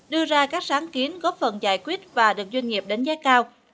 đưa ra các sáng kiến góp phần giải quyết và được doanh nghiệp đánh giá cao